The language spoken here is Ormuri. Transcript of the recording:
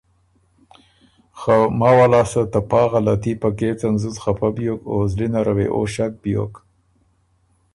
خه ماوه لاسته ته پا غلطي په کېڅن زُت خپۀ بیوک او زلی نره وې او ݭک بیوک